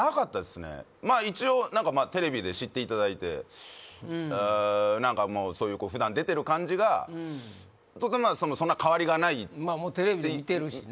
まあ一応何かまあテレビで知っていただいて何かもうそういう普段出てる感じがとまあそんな変わりがないもうテレビで言ってるしね